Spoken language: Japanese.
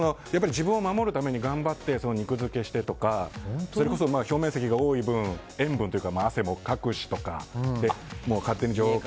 自分を守るために頑張って肉付けしてとかそれこそ表面積が多い分塩分というか汗もかくしとか。